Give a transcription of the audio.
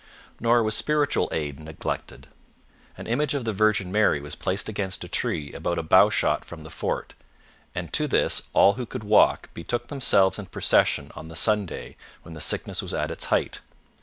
Nor was spiritual aid neglected. An image of the Virgin Mary was placed against a tree about a bow shot from the fort, and to this all who could walk betook themselves in procession on the Sunday when the sickness was at its height.